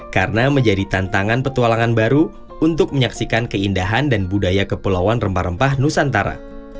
karena menjadi tantangan petualangan baru untuk menyaksikan keindahan dan budaya kepulauan rempah rempah nusantara